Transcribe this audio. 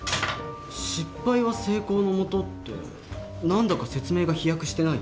「失敗は成功のもと」って何だか説明が飛躍してない？